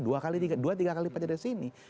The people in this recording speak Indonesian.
dua tiga kali lipat dari sini